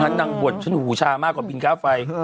ฉันนั่งบดฉันหูชามากกว่าบินค่าไฟ